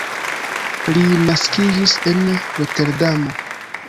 Li naskiĝis en Roterdamo.